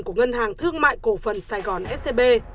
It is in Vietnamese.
của ngân hàng thương mại cổ phần sài gòn scb